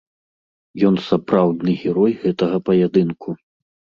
Ён сапраўдны герой гэтага паядынку.